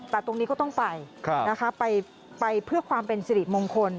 แต่ตรงนี้ก็ต้องไปนะคะไปเพื่อความเป็นสิริมงคล